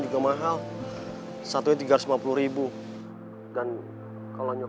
juga mahal satunya tiga ratus lima puluh dan kalau nyokap gua diinfusin dua botol berarti totalnya tujuh ratus